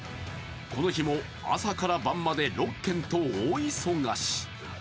この日も朝から晩まで６件と大忙し。